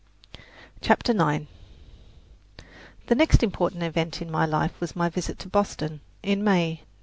CHAPTER IX The next important event in my life was my visit to Boston, in May, 1888.